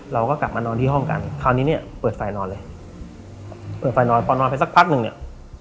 เราก็กลับมานอนที่ห้องกันคราวนี้เนี่ยเปิดไฟนอนเลยเปิดไฟนอนพอนอนไปสักพักหนึ่งเนี่ย